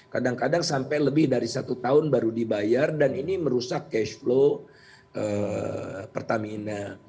kadang kadang sampai lebih dari satu tahun baru dibayar dan ini merusak cash flow pertamina